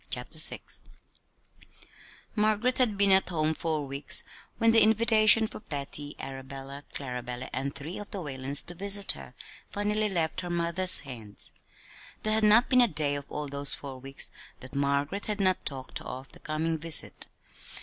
CHAPTER VI Margaret had been at home four weeks when the invitation for Patty, Arabella, Clarabella, and three of the Whalens to visit her, finally left her mother's hands. There had not been a day of all those four weeks that Margaret had not talked of the coming visit.